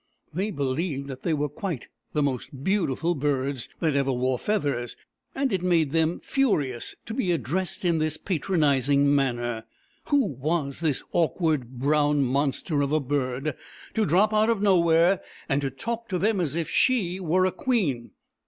They believed that they were quite the most beautiful birds that ever wore feathers, and it made them furious to be addressed in this patronizing manner. Who was this awkward brown monster of a bird, to drop out of nowhere and talk to them as if she were a Queen